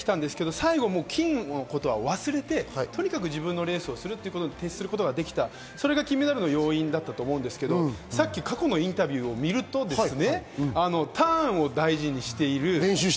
最後は金のことは忘れて、とにかく自分のレースをするということに徹することができた、それが金メダルの要因だったと思うんですが、さっき過去のインタビューを見るとターンを大事にしている。